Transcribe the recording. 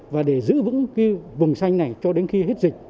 và để giữ vững cái vùng xanh này cho đến khi hết dịch